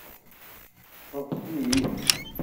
Teṭṭfeḍ-ten-id?